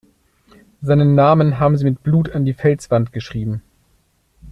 Seinen Namen haben sie mit Blut an die Felswand geschrieben.